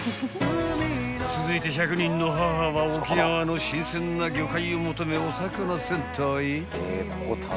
［続いて１００人の母は沖縄の新鮮な魚介を求めお魚センターへ］